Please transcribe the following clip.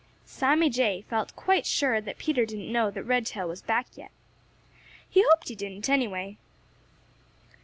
Sammy Jay felt quite sure that Peter didn't know that Redtail was back yet. He hoped he didn't, anyway.